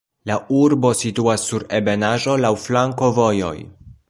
La urbo situas sur ebenaĵo, laŭ flankovojoj.